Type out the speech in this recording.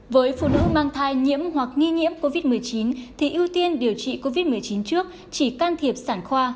với phụ nữ mang thai nhiễm hoặc nghi nhiễm covid một mươi chín thì ưu tiên điều trị covid một mươi chín trước chỉ can thiệp sản khoa